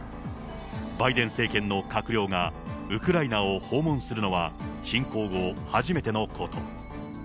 バイデン政権の閣僚がウクライナを訪問するのは侵攻後、初めてのこと。